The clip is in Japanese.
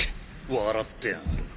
笑ってやがる。